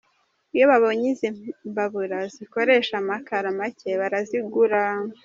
Iyo babonye izi mbabura zikoresha amakara make barazigura.